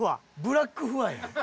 ブラックフワやん。